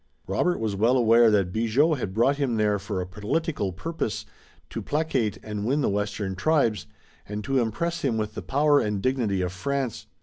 Robert was well aware that Bigot had brought him there for a political purpose, to placate and win the western tribes, and to impress him with the power and dignity of France.